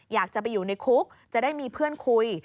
อยากจะไปอยู่ในคุกจะได้มีเพื่อนคุย